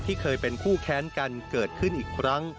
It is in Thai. เคยเป็นคู่แค้นกันเกิดขึ้นอีกครั้ง